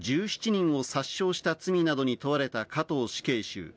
１７人を殺傷した罪などに問われた加藤死刑囚。